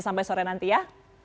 sampai sore nanti ya